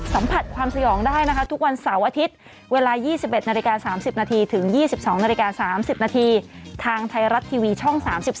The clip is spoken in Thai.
สัมผัสความสยองได้นะคะทุกวันเสาร์อาทิตย์เวลา๒๑๓๐นถึง๒๒๓๐นทางไทยรัตทีวีช่อง๓๒